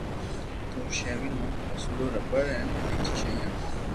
او ݾيوين مون پيسلو رٻڙ ھين ٻجي ݾيون